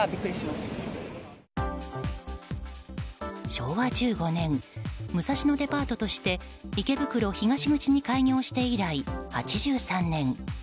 昭和１５年武蔵野デパートとして池袋東口に開業して以来８３年。